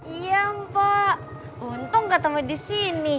iya mpok untung ketemu disini